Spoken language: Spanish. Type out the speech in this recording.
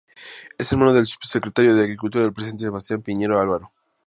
Es hermano del subsecretario de Agricultura del presidente Sebastián Piñera, Álvaro.